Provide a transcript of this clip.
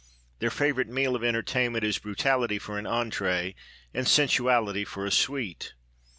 Their favourite meal of entertainment is brutality for an entrée and sensuality for a sweet.